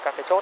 các cái chốt